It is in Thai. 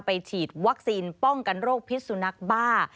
ฉีดวัคซีนป้องกันโรคพิษสุนัขบ้า